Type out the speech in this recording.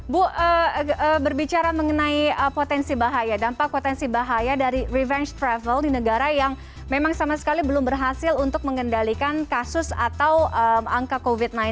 bu berbicara mengenai potensi bahaya dampak potensi bahaya dari revenge travel di negara yang memang sama sekali belum berhasil untuk mengendalikan kasus atau angka covid sembilan belas